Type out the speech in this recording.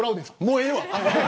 もうええわ。